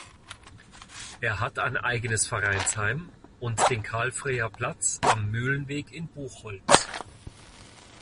Er hat ein eigenes Vereinsheim und den Karl-Frewert-Platz am Mühlenweg in Buchholz.